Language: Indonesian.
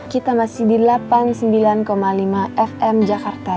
kita masih di delapan puluh sembilan lima fm jakarta